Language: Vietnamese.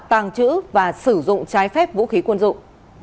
tàng trữ và sử dụng trái phép vũ khí quân dụng